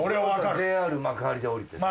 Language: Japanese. ＪＲ幕張で降りてさ。